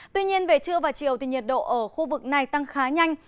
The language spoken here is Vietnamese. tuy nhiên về trưa và chiều thì nhiệt độ ở khu vực này tăng khá nhanh